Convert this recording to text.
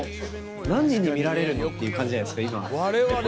何人に見られるの？っていう感じじゃないですか今。